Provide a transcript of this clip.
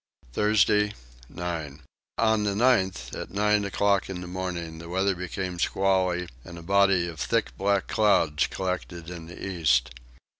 Thursday 9. On the 9th at nine o'clock in the morning the weather became squally and a body of thick black clouds collected in the east.